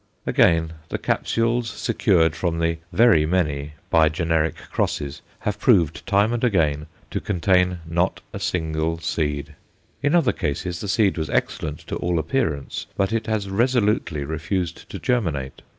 Again, the capsules secured from very many by generic crosses have proved, time after time, to contain not a single seed. In other cases the seed was excellent to all appearance, but it has resolutely refused to germinate.